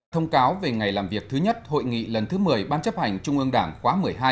thông cáo về ngày làm việc thứ nhất hội nghị lần thứ một mươi ban chấp hành trung ương đảng khóa một mươi hai